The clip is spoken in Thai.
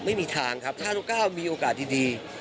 ไม่มีทางครับถ้าทุกก้าวมีโอกาสดี